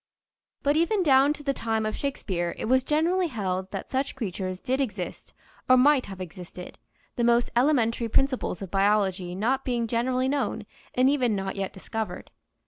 But even down to the time of Shakespeare it was generally held that such creatures did exist or might have existed, the most elementary principles of biology not being generally known and even not yet discovered.